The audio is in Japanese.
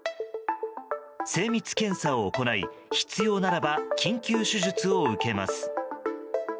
精密検査を行い必要ならば緊急手術を受けます。